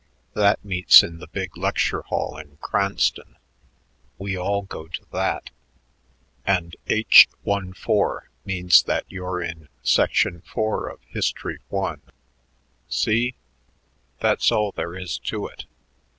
That meets in the big lecture hall in Cranston. We all go to that. And H I, 4 means that you are in Section 4 of History I. See? That's all there is to it.